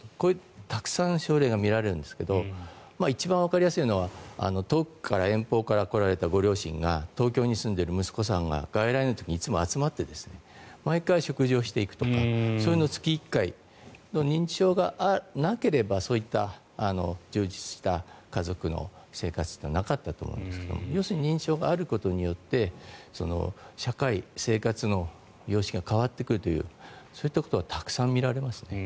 たくさん症例が見られるんですが一番わかりやすいのは遠くから、遠方から来られたご両親が東京に住んでいる息子さんが外来の時にいつも集まって毎回食事をしていくとかそういうのを月１回認知症がなければ、そういった充実した家族の生活っていうのはなかったと思うんですけど要するに認知症があることによって社会、生活の様式が変わってくるというそういったことはたくさん見られますね。